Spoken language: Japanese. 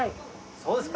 そうですか。